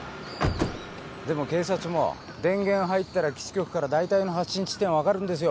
でも警察も電源入ったら基地局から大体の発信地点は分かるんですよ。